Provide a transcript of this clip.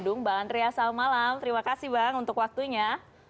dung bang andreas selamat malam terima kasih bang untuk waktunya